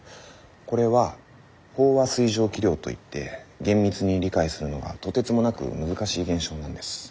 これは飽和水蒸気量といって厳密に理解するのがとてつもなく難しい現象なんです。